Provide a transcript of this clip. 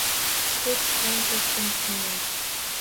Ko’p qon to’kdi musulmon.